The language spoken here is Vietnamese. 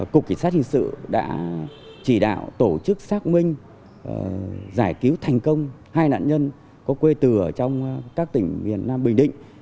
cục cảnh sát hình sự đã chỉ đạo tổ chức xác minh giải cứu thành công hai nạn nhân có quê tử ở trong các tỉnh việt nam bình định